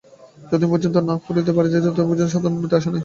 যতদিন পর্যন্ত না তাহা করিতে পারিতেছ, ততদিন সাধারণের স্থায়ী উন্নতির আশা নাই।